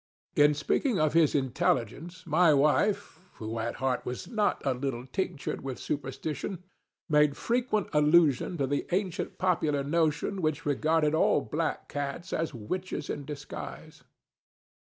In speaking of his intelligence, my wife, who at heart was not a little tinctured with superstition, made frequent allusion to the ancient popular notion, which regarded all black cats as witches in disguise.